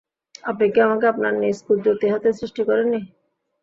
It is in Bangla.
আপনি কি আমাকে আপনার নিজ কুদরতী হাতে সৃষ্টি করেননি?